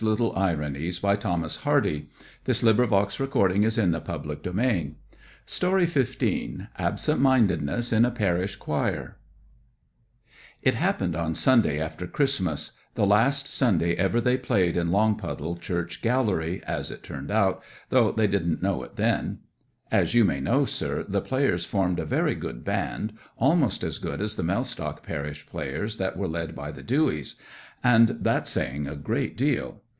The master thatcher attentively regarded past times as if they lay about a mile off, and went on:— ABSENT MINDEDNESS IN A PARISH CHOIR 'It happened on Sunday after Christmas—the last Sunday ever they played in Longpuddle church gallery, as it turned out, though they didn't know it then. As you may know, sir, the players formed a very good band—almost as good as the Mellstock parish players that were led by the Dewys; and that's saying a great deal.